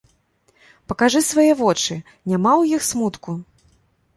Пакажы свае вочы, няма ў іх смутку?